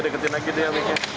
deketin lagi deh